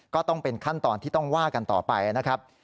ก็ต้องเป็นขั้นตอนที่ต้องว่ากันต่อไปนะครับ